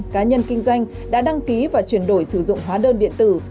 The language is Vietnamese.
cá nhân kinh doanh đã đăng ký và chuyển đổi sử dụng hóa đơn điện tử